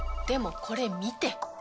でもこれ見て。